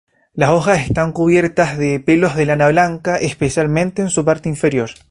Las hojas están cubiertas de pelos de lana blanca, especialmente en su parte inferior.